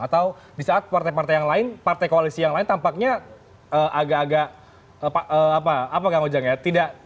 atau di saat partai partai yang lain partai koalisi yang lain tampaknya agak agak apa kang ujang ya